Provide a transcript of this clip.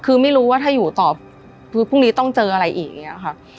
คือไม่รู้ว่าถ้าอยู่ต่อคือพรุ่งนี้ต้องเจออะไรอีกอย่างนี้ค่ะ